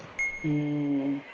うん。